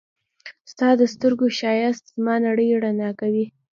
ستا د سترګو ښایست زما نړۍ رڼا کوي.